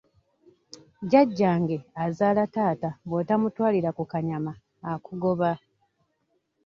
Jjajjange azaala taata bw'otamutwalira ku kanyama akugoba.